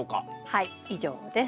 はい以上です。